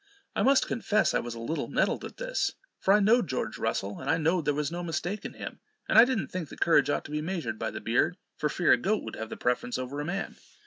I must confess I was a little nettled at this; for I know'd George Russell, and I know'd there was no mistake in him; and I didn't think that courage ought to be measured by the beard, for fear a goat would have the preference over a man.